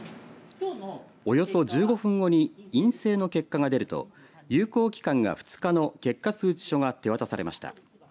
およそ１５分後に陰性の結果が出ると有効期間が２日の結果通知書が手渡されました。